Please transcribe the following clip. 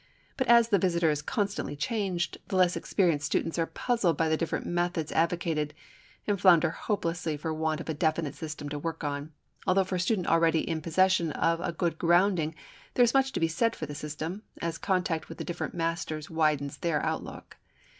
But as the visitor is constantly changed, the less experienced students are puzzled by the different methods advocated, and flounder hopelessly for want of a definite system to work on; although for a student already in possession of a good grounding there is much to be said for the system, as contact with the different masters widens their outlook.